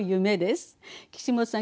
岸本さん